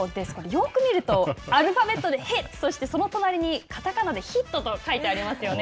よく見るとアルファベットでＨＩＴそして、その隣にかたかなでヒットと書いてありますよね。